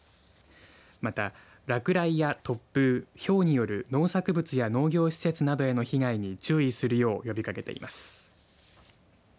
また落雷や突風、ひょうによる農作物や農業施設などへの被害に注意するよう呼びかけています。